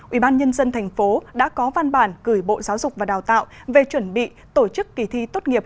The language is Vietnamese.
ubnd tp đã có văn bản gửi bộ giáo dục và đào tạo về chuẩn bị tổ chức kỳ thi tốt nghiệp